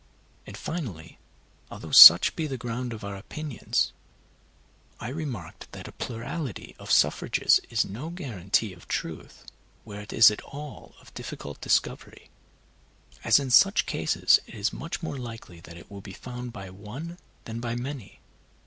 And, finally, although such be the ground of our opinions, I remarked that a plurality of suffrages is no guarantee of truth where it is at all of difficult discovery, as in such cases it is much more likely that it will be found by one than by many.